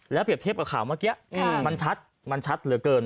แล้วเปรียบเทียบกับข่าวเมื่อกี้มันชัดเหลือเกิน